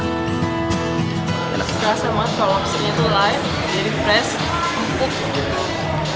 rasanya banget kalau lobsternya itu light jadi fresh empuk